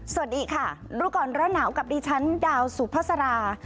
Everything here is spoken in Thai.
สวัสดีค่ะรู้ก่อนร้อนหนาวกับดิฉันดาวสุภาษารา